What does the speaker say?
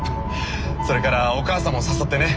それからお母さんも誘ってね。